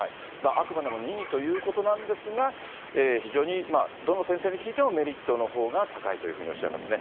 あくまでも任意ということなんですが、非常に、どの先生に聞いても、メリットのほうが高いというふうにおっしゃいますね。